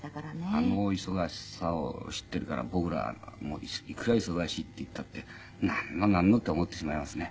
あの忙しさを知ってるから僕らいくら忙しいっていったってなんのなんのって思ってしまいますね。